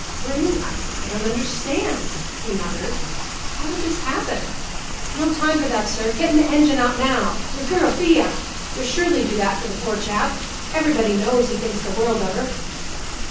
"Bring—I don't understand," he muttered. "How did this happen?" "No time for that, sir. Getting the engine out now. Your girl, Thea. You'll surely do that for the poor chap. Everybody knows he thinks the world of her."